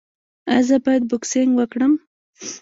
ایا زه باید بوکسینګ وکړم؟